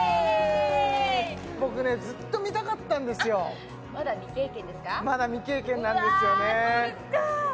僕ねずっと見たかったんですよあっまだ未経験ですか？